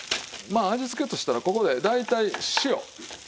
まあ味付けとしたらここで大体塩。